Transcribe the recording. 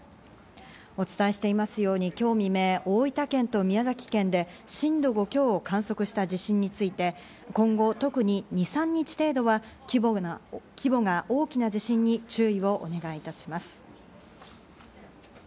お伝えしていますように、今日未明、大分県と宮崎県で震度５強を観測した地震について、今後、特に２３日程度は規模が大きな地震に注意をお願いいたします。